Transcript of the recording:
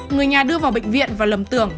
người nhà đưa vào bệnh viện và lầm tưởng